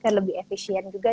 dan lebih efisien juga